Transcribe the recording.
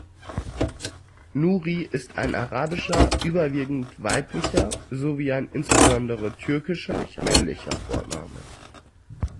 Nuri ist ein arabischer, überwiegend weiblicher, sowie ein insbesondere türkischer männlicher Vorname.